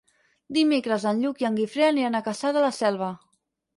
Dimecres en Lluc i en Guifré aniran a Cassà de la Selva.